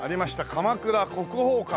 鎌倉国宝館。